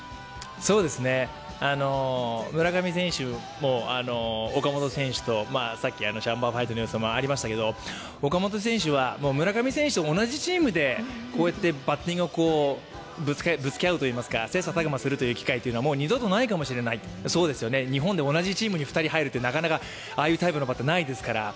村上選手も、岡本選手とシャンパンファイトの様子もありましたけど岡本選手は村上選手と同じチームでバッティングをぶつけ合うというか、切磋琢磨する機会はもう二度とないかもしれない、日本で同じチームに入るってああいうタイプのバッターはないですから。